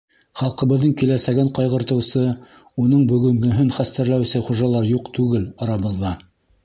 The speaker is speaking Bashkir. Халҡыбыҙҙың киләсәген ҡайғыртыусы, уның бөгөнгөһөн хәстәрләүсе хужалар юҡ түгел арабыҙҙа.